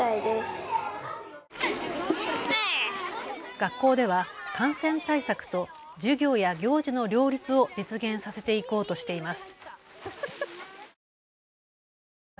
学校では感染対策と授業や行事の両立を実現させていこうとしています。